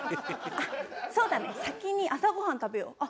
そうだね先に朝ごはん食べよう。